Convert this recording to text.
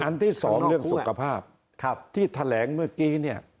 ที่สองเรื่องสุขภาพที่แถลงเมื่อกี้เนี่ย